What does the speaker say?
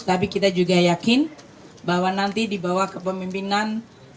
tapi kita juga yakin bahwa nanti dibawah kepemimpinan